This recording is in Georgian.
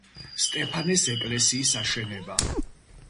სტეფანეს ეკლესიის აშენება.